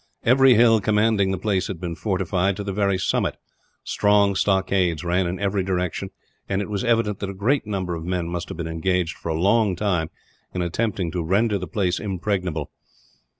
Every hill commanding the place had been fortified, to the very summit. Strong stockades ran in every direction, and it was evident that a great number of men must have been engaged, for a long time, in attempting to render the place impregnable.